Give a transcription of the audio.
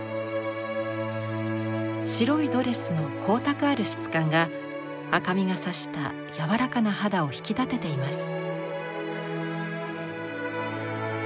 白いドレスの光沢ある質感が赤みが差した柔らかな肌を引き立てています。